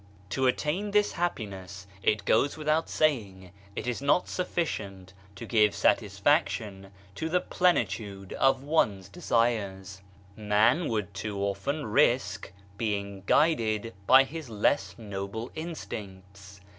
" To attain this happiness, it goes without saying it is not sufficient to give satisfac tion to the plenitude of one's desires : man would too often risk being guided by his less noble instincts.